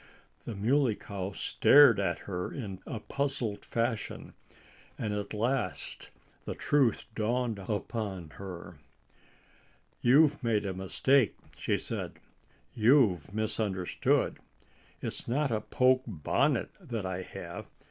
The Muley Cow stared at her in a puzzled fashion. And at last the truth dawned upon her. "You've made a mistake," she said. "You've misunderstood. It's not a poke bonnet that I have.